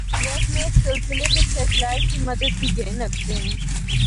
محکمے اس سلسلے بچ سیٹلائٹ دی مدد بھی گھن ہکدے ہن۔